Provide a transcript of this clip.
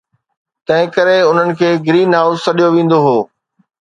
تنهن ڪري انهن کي گرين هائوس سڏيو ويندو هو